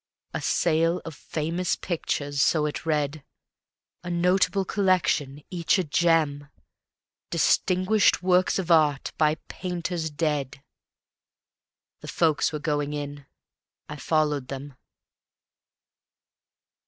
"A Sale of Famous Pictures," so it read, "A Notable Collection, each a gem, Distinguished Works of Art by painters dead." The folks were going in, I followed them.